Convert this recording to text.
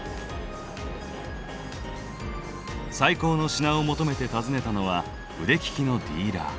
最高の品を求めて訪ねたのは腕利きのディーラー。